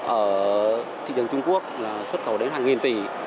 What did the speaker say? ở thị trường trung quốc là xuất khẩu đến hàng nghìn tỷ